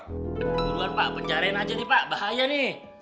duluan pak pencarian aja nih pak bahaya nih